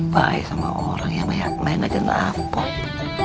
baik sama orang ya main aja lapor